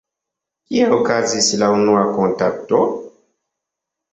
Kie okazis la unua kontakto?